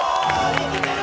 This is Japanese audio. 生きてる！